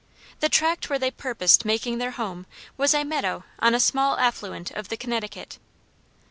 The tract where they purposed making their home was a meadow on a small affluent of the Connecticut.